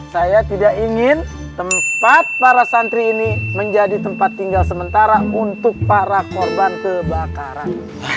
saya tidak ingin tempat para santri ini menjadi tempat tinggal sementara untuk para korban kebakaran